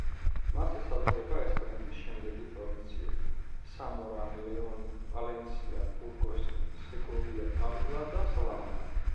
მას ესაზღვრება ესპანეთის შემდეგი პროვინციები: სამორა, ლეონი, პალენსია, ბურგოსი, სეგოვია, ავილა და სალამანკა.